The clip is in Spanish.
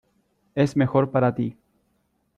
es mejor para ti.